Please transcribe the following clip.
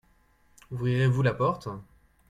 Ouvrirez-vous la porte ?